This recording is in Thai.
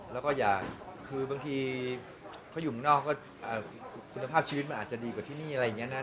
แล้วก็อยากคือบางทีเขาอยู่เมืองนอกก็คุณภาพชีวิตมันอาจจะดีกว่าที่นี่อะไรอย่างนี้นะ